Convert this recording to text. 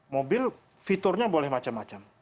mobil fiturnya boleh macam macam